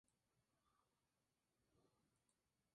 Mulder y Scully se registran en un motel para pasar la noche.